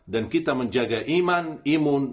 dan kita menjaga iman imun